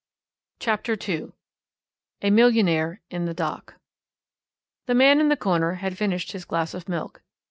CHAPTER II A MILLIONAIRE IN THE DOCK The man in the corner had finished his glass of milk.